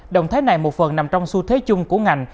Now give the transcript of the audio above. động thái này một phần nằm trong xu thế chung của ngành